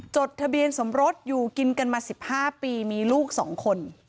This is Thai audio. จดทะเบียนสมรสอยู่กินกันมา๑๕ปีมีลูก๒คน